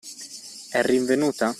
È rinvenuta?